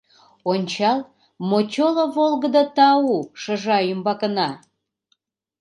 Ончал, мочоло волгыдо тау Шыжа ӱмбакына.